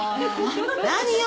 何よ。